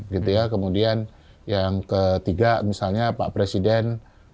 gitu ya kemudian yang ketiga misalnya pak presiden